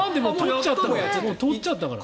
もう撮っちゃったから。